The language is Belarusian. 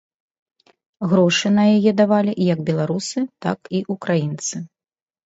Грошы на яе давалі як беларусы, так і ўкраінцы.